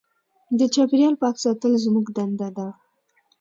د چاپېریال پاک ساتل زموږ دنده ده.